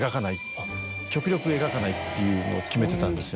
極力描かないっていうのを決めてたんですよ。